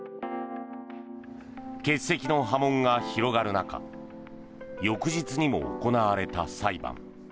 欠席の波紋が広がる中翌日にも行われた裁判。